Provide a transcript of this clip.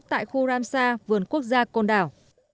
tại khu ramsar vườn quốc gia côn đảo